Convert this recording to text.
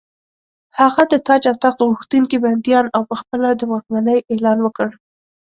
هغه د تاج او تخت غوښتونکي بندیان او په خپله د واکمنۍ اعلان وکړ.